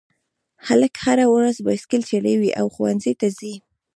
هلک هره ورځ بایسکل چلوي او ښوونځي ته ځي